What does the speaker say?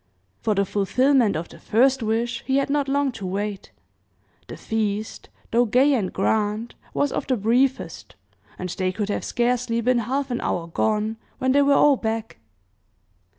For the fulfillment of the first wish, he had not long to wait; the feast, though gay and grand, was of the briefest, and they could have scarcely been half an hour gone when they were all back.